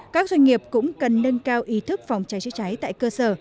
các doanh nghiệp cũng cần nâng cao ý thức phòng cháy chữa cháy tại cơ sở